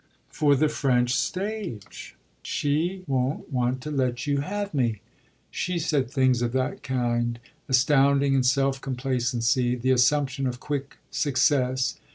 "For the French stage. She won't want to let you have me." She said things of that kind, astounding in self complacency, the assumption of quick success.